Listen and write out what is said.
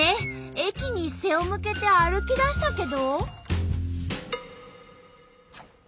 駅に背を向けて歩きだしたけど。